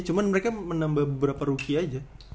cuma mereka menambah beberapa rookie aja